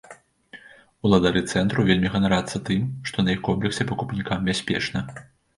Уладары цэнтру вельмі ганарацца тым, што на іх комплексе пакупнікам бяспечна.